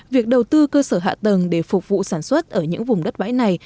việc đầu tư cơ sở hạ tầng để phục vụ sản xuất ở những vùng đất bãi này